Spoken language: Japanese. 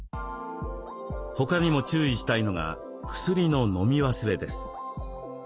他にも注意したいのが薬の飲み忘れです。